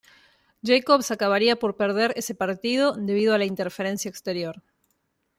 Jacobs acabaría por perder ese partido debido a la interferencia exterior.